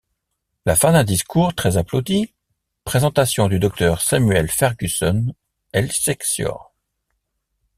La fin d’un discours très-applaudi. — Présentation du docteur Samuel Fergusson —« Excelsior.